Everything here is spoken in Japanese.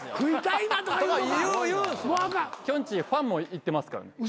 きょんちぃファンもいってますからね。